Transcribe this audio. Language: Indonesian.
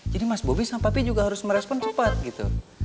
jadi mas bobi sama papi juga harus merespon cepat gitu